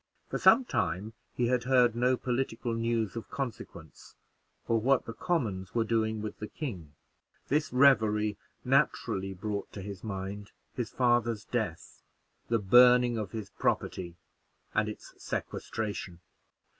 For some time he had heard no political news of consequence, or what the Commons were doing with the king. This revery naturally brought to his mind his father's death, the burning of his property, and its sequestration.